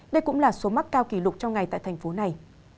đây cũng là số mắc cao kỷ lục trong ngày tại thành phố này